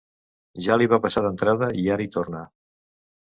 Ja li va passar d'entrada, i ara hi torna.